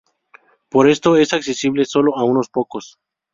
Por esto es accesible solo a unos pocos.